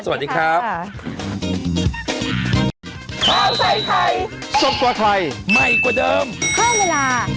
สวัสดีครับสวัสดีครับ